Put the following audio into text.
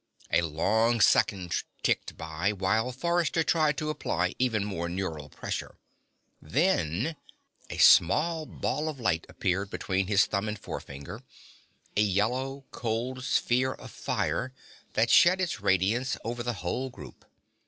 A long second ticked by, while Forrester tried to apply even more neural pressure. Then ... A small ball of light appeared between his thumb and forefinger, a yellow, cold sphere of fire that shed its radiance over the whole group.